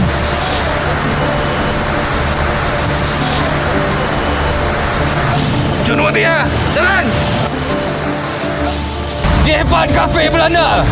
di depan kafe belanda